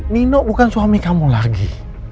nino bukan suami kamu lagi